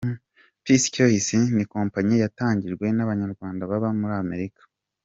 PesaChoice ni company yatangijwe n’abanyarwanda baba muri Amerika.